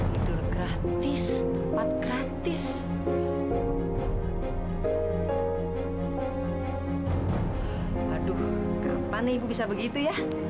aduh gerban nih ibu bisa begitu ya